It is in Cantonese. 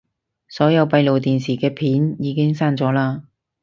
所有閉路電視嘅片已經刪咗喇